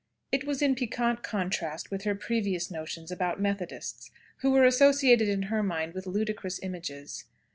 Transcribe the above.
It was in piquant contrast with her previous notions about Methodists, who were associated in her mind with ludicrous images.